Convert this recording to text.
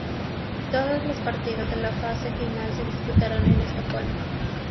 Todos los partidos de la fase final se disputaron en Estocolmo.